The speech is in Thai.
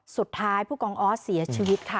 สุดท้ายผู้กองออดเสียชีวิตค่ะ